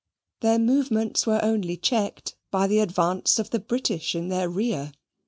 Their movements were only checked by the advance of the British in their rear.